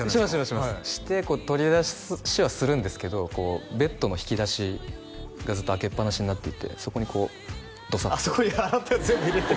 しますして取り出しはするんですけどベッドの引き出しがずっと開けっ放しになっていてそこにこうドサッとそこに洗ったやつ全部入れて？